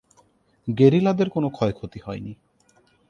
গেরিলাদের কোন ক্ষয়ক্ষতি হয়নি।